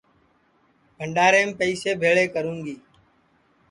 بھڈؔاریم پئسے بھیݪے کروں گی